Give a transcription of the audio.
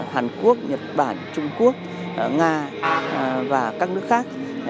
hàn quốc nhật bản trung quốc nga và các nước khác